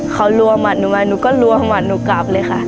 เขารั่วมาหนูมาหนูก็รั่วมาหนูกลับเลยค่ะ